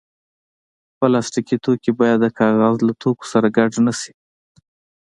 پلاستيکي توکي باید د کاغذ له توکو سره ګډ نه شي.